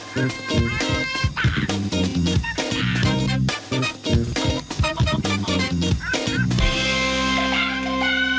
โปรดติดตามตอนต่อไป